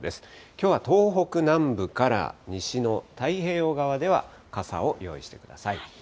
きょうは東北南部から西の太平洋側では傘を用意してください。